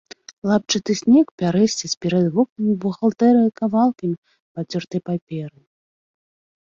Лапчасты снег пярэсціць перад вокнамі бухгалтэрыі кавалкамі падзёртай паперы.